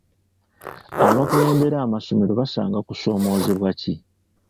Abakulembera amasomero basanga kusoomozebwa ki?